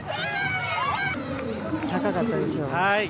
高かったでしょう。